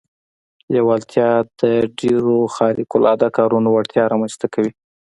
لېوالتیا د ډېرو خارق العاده کارونو وړتیا رامنځته کوي